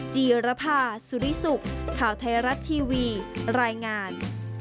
จีรภาสุริสุขข่าวไทยรัฐทีวีรายงาน